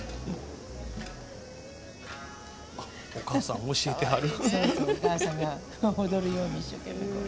お母さん、教えてはる。